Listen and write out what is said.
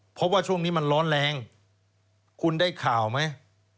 เพราะว่าช่วงนี้มันร้อนแรงคุณได้ข่าวไหม